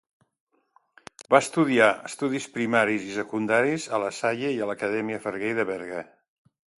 Va estudiar estudis primaris i secundaris a la Salle i a l'Acadèmia Farguell de Berga.